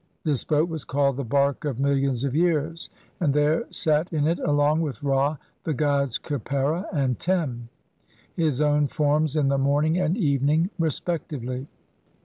This boat was called the "Bark of millions of years", and there sat in it along with Ra the gods Khepera and Tem, his own forms in the morning and evening respectively.